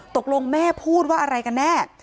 ตกลงแม่พูดว่าอะไรกันแน่